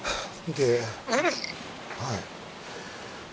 はい。